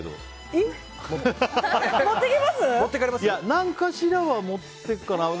何かしらは持っていくかな。